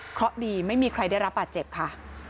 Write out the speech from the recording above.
เพราะดีไม่มีใครได้รับบาดเจ็บค่ะ